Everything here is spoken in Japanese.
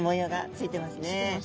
ついてます。